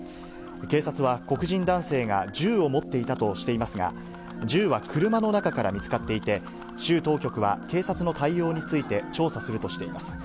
警察は黒人男性が銃を持っていたとしていますが、銃は車の中から見つかっていて、州当局は、警察の対応について調査するとしています。